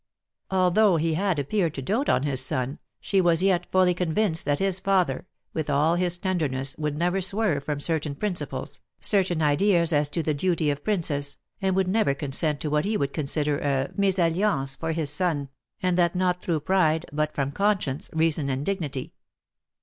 Although he had appeared to dote on his son, she was yet fully convinced that this father, with all his tenderness, would never swerve from certain principles, certain ideas as to the duty of princes, and would never consent to what he would consider a mésalliance for his son, and that not through pride, but from conscience, reason, and dignity.